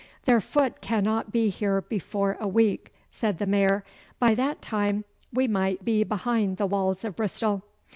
'Their foot cannot be here before a week,' said the Mayor. 'By that time we might be behind the walls of Bristol.